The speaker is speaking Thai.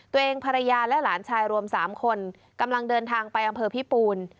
ภรรยาและหลานชายรวม๓คนกำลังเดินทางไปอำเภอพิปูน